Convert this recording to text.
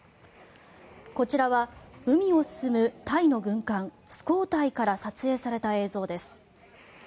こちらは海を進むタイの軍艦「スコータイ」から撮影された映像です。